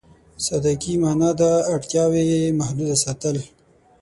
سادهګي معنا ده اړتياوې محدود ساتل.